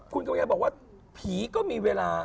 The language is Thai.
คุณกัญญาบอกว่าผีก็มีเวลา